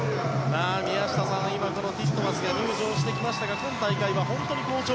宮下さん、今ティットマスが入場してきましたが今大会は本当に好調。